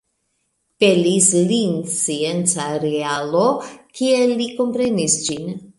Pelis lin scienca realo, kiel li komprenis ĝin.